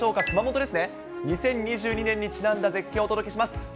熊本ですね、２０２２年にちなんだ絶景をお届けします。